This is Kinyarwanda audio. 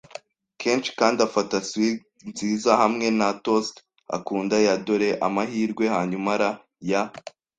kenshi, kandi afata swig nziza, hamwe na toast akunda ya "Dore amahirwe!" Hanyuma la y